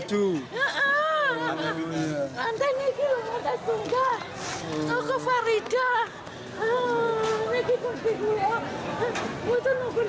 api terbakar api terbakar